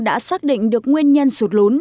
đã xác định được nguyên nhân sụt lún